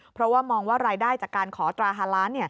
เพราะว่ามองว่ารายได้จากการขอตรา๕ล้าน